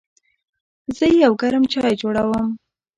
زه یو ګرم چای جوړوم.